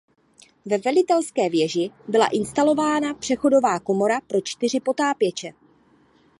Ve velitelské věži byla instalována přechodová komora pro čtyři potápěče.